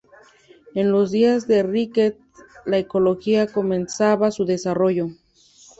En los días de Ricketts, la ecología comenzaba su desarrollo.